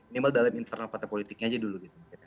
ini malah dalam internal partai politiknya aja dulu